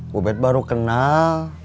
bu bet baru kenal